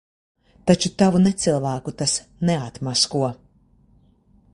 Taču tavu necilvēku tas neatmasko.